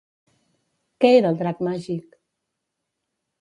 Què era el Drac Màgic?